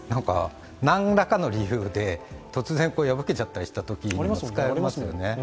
何らかの理由で突然、破けちゃったりしたときも使えますもんね。